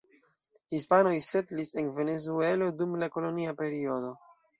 Hispanoj setlis en Venezuelo dum la kolonia periodo.